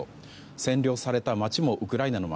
占領された街もウクライナの街。